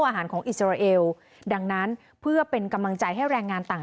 อาหารของอิสราเอลดังนั้นเพื่อเป็นกำลังใจให้แรงงานต่าง